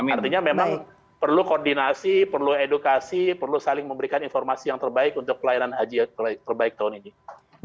artinya memang perlu koordinasi perlu edukasi perlu saling memberikan informasi yang terbaik untuk pelayanan haji terbaik tahun ini